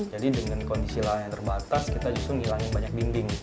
jadi dengan kondisi lahan yang terbatas kita justru ngilangin banyak dinding